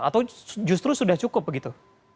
atau justru sudah cukup begitu